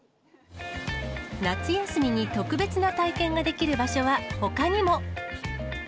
夏休みに特別な体験ができる場所は、ほかにも。